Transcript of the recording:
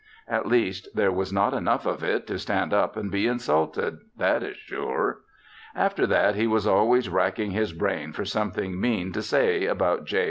At least, there was not enough of it to stand up and be insulted that is sure. After that he was always racking his brain for something mean to say about J.